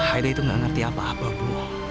aida itu gak ngerti apa apa bu